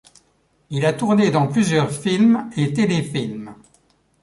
Il a tourné dans plusieurs films et téléfilms.